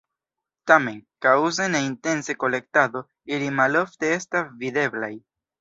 Tamen, kaŭze de intense kolektado, ili malofte estas videblaj.